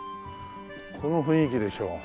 この雰囲気でしょう。